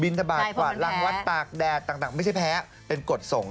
บินตะบาทกว่าลังวัดตากแดดต่างไม่ใช่แพ้เป็นกฎสงค์